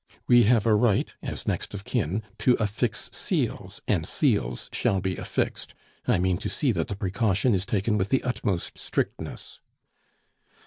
We have a right as next of kin to affix seals, and seals shall be affixed. I mean to see that the precaution is taken with the utmost strictness."